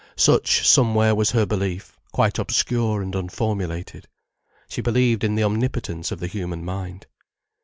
Such, somewhere, was her belief, quite obscure and unformulated. She believed in the omnipotence of the human mind.